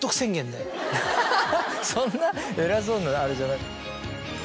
そんな偉そうなあれじゃない。